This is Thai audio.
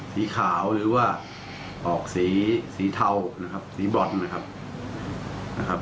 สีขาวหรือว่าออกสีเทานะครับสีบอลนะครับ